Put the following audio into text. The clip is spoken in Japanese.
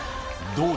どう？